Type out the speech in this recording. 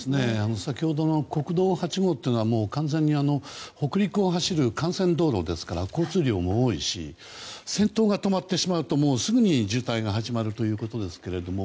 先ほどの国道８号というのは完全に北陸を走る幹線道路ですから交通量も多いし先頭が止まってしまうとすぐに渋滞が始まるということですけれども。